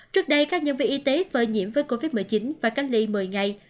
trước đây các nhân viên y tế phơi nhiễm với covid một mươi chín và cách ly một mươi ngày